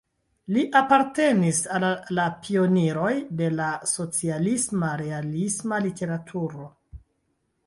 Li apartenis al la pioniroj de la socialisma-realisma literaturo.